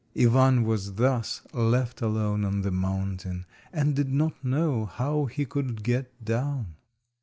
Ivan was thus left alone on the mountain, and did not know how he could get down.